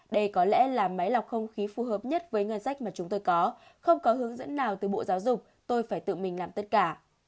đây có lẽ là máy lọc không khí phù hợp nhất với ngân sách mà chúng tôi có không có hướng dẫn nào từ bộ giáo dục tôi phải tự mình làm tất cả